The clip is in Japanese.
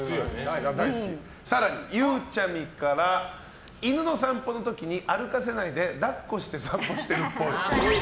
更に、ゆうちゃみから犬の散歩の時に歩かせないで抱っこして散歩してるっぽい。